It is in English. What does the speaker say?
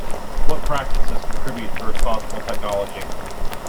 What practices contribute to responsible technology?